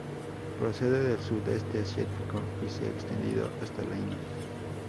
Procede del sudeste asiático y se ha extendido hasta la India.